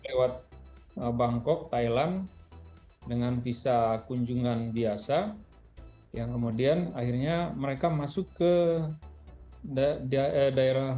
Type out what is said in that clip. lewat bangkok thailand dengan visa kunjungan biasa yang kemudian akhirnya mereka masuk ke daerah